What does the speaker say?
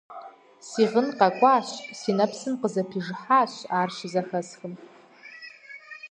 Си гъын къэкӀуащ, си нэпсым къызэпижыхьащ, ар щызэхэсхым…